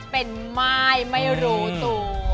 เป็นม่ายไม่รู้ตัว